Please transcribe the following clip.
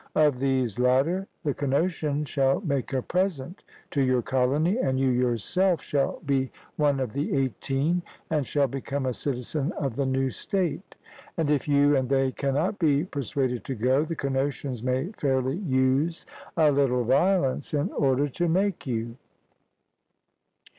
Of these latter the Cnosians shall make a present to your colony, and you yourself shall be one of the eighteen, and shall become a citizen of the new state; and if you and they cannot be persuaded to go, the Cnosians may fairly use a little violence in order to make you.